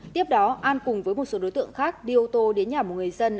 tiếp đó an cùng với một số đối tượng khác đi ô tô đến nhà một người dân